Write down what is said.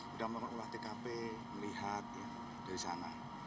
sudah melakukan olah tkp melihat dari sana